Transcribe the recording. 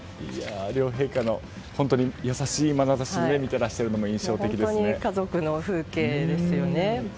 両陛下が優しいまなざしで見ていらっしゃるのが本当に家族の風景ですよね。